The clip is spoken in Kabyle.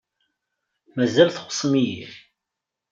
Mazal txuṣṣem-iyi.